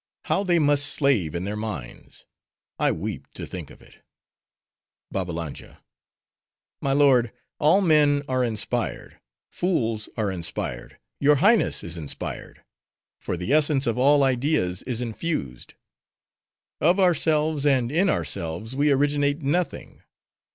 How they must slave in their mines! I weep to think of it. BABBALANJA—My lord, all men are inspired; fools are inspired; your highness is inspired; for the essence of all ideas is infused. Of ourselves, and in ourselves, we originate nothing.